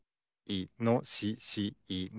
いのしし。